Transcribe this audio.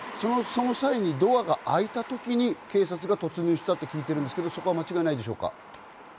その時にドアが開いたときに警察が突入したと聞いてるんですけれども間違いないでしょうか？